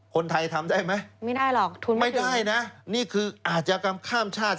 คนไทยทำได้ไหมไม่ได้หรอกทุนไม่ได้นะนี่คืออาชญากรรมข้ามชาติ